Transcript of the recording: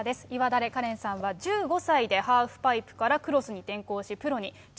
岩垂かれんさんは１５歳でハーフパイプからクロスに転向し、プロに。